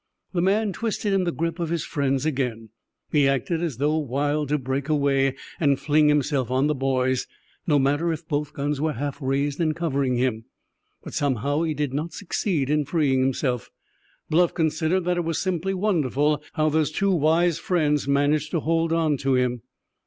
The man twisted in the grip of his friends again. He acted as though wild to break away and fling himself on the boys, no matter if both guns were half raised and covering him. But somehow he did not succeed in freeing himself; Bluff considered that it was simply wonderful how those two wise friends managed to hold on to him.